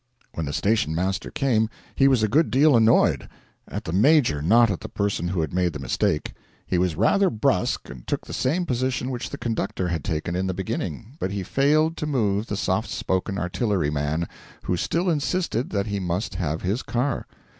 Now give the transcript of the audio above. When the station master came he was a good deal annoyed at the Major, not at the person who had made the mistake. He was rather brusque, and took the same position which the conductor had taken in the beginning; but he failed to move the soft spoken artilleryman, who still insisted that he must have his car.